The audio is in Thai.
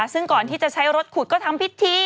ซึ่งก่อนที่จะใช้รถขุดก็ทำพิธี